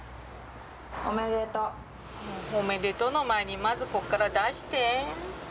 「おめでとう」の前にまずこっから出して。